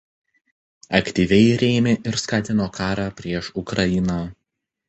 Aktyviai rėmė ir skatino karą prieš Ukrainą.